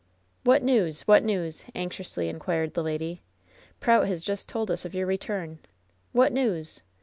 *^What news ? What news ?" anxiously inquired the lady. "Prout has just told us of your return I What news ?